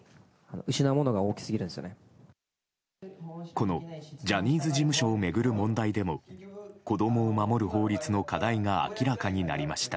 このジャニーズ事務所を巡る問題でも子供を守る法律の課題が明らかになりました。